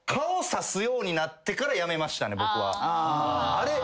「あれ？